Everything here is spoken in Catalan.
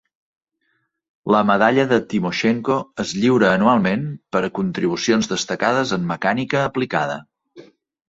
La Medalla de Timoshenko es lliura anualment per a contribucions destacades en mecànica aplicada.